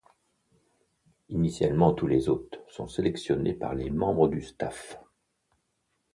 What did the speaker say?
Initialement tous les hôtes sont sélectionnés par les membres du staff.